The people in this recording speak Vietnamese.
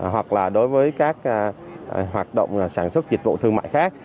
hoặc là đối với các hoạt động sản xuất dịch vụ thương mại khác